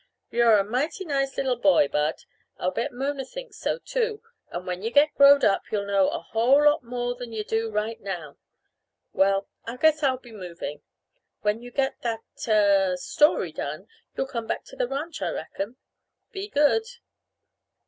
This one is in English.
"You're a mighty nice little boy, Bud. I'll bet Mona thinks so, too and when yuh get growed up you'll know a whole lot more than yuh do right now. Well, I guess I'll be moving. When yuh get that er story done, you'll come back to the ranch, I reckon. Be good."